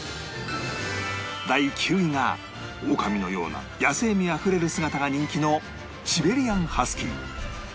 第９位がオオカミのような野性味あふれる姿が人気のシベリアン・ハスキー